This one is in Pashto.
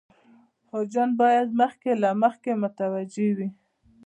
حاجیان باید مخکې له مخکې متوجه وي.